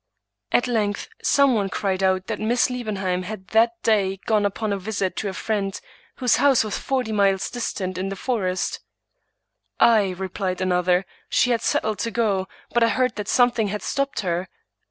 At length some one cried out that Miss Liebenheim had that day gone upon a visit to a friend, whose house was forty miles distant in the forest. " Aye," replied another, "she had settled to go; but I heard that something had stopped her."